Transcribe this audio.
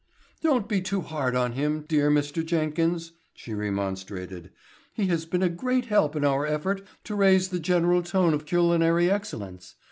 "Don't be too hard on him, dear Mr. Jenkins," she remonstrated. "He has been a great help in our effort to raise the general tone of culinary excellence.